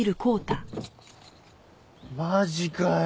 マジかよ